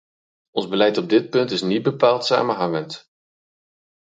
Ons beleid op dit punt is niet bepaald samenhangend.